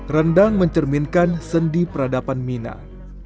rendang mencerminkan sendi peradaban minang